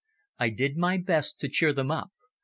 I did my best to cheer them up.